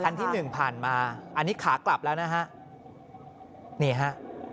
คันที่๑ผ่านมาอันนี้ขากลับแล้วนะฮะ